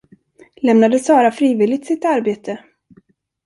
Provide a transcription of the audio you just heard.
Lämnade Sara frivilligt sitt arbete?